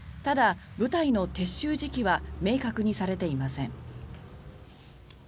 ただ、部隊の撤収時期は明確にされていません。